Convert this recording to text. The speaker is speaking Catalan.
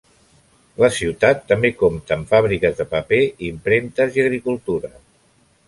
La ciutat també compta amb fàbriques de paper, impremtes i agricultura.